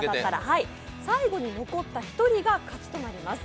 最後に残った１人が勝ちとなります